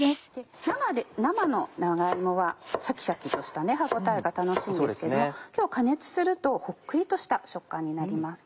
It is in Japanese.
生の長芋はシャキシャキとした歯応えが楽しいんですけども今日加熱するとほっくりとした食感になります。